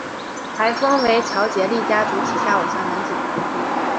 台风为乔杰立家族旗下偶像男子团体。